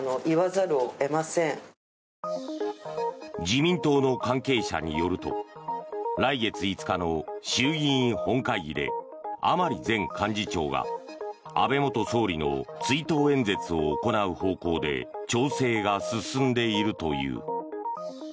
自民党の関係者によると来月５日の衆議院本会議で甘利前幹事長が、安倍元総理の追悼演説を行う方向で調整が進んでいるという。